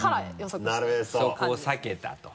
そこを避けたと。